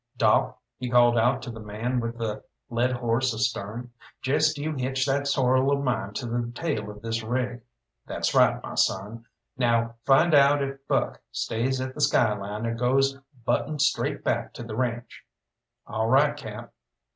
"Doc," he called out to the man with the led horse astern, "jest you hitch that sorrel of mine to the tail of this rig. That's right, my son; now find out if Buck stays at the skyline or goes buttin' straight back to the ranche." "All right, Cap."